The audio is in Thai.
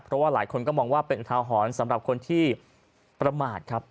เพราะว่าหลายคนก็มองว่าเป็นอุทาหรณ์สำหรับคนที่ประมาทครับ